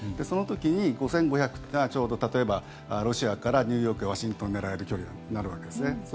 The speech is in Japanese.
その時に５５００ｋｍというのは例えば、ロシアからニューヨークやワシントンを狙える距離になるわけですね。